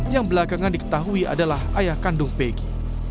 yang belakangan diketahui adalah ayah kandung peggy